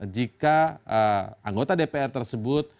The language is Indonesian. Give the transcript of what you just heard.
jika anggota dpr tersebut